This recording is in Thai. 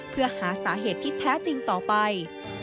เพื่อหาสาเหตุที่แท้จริงต่อไป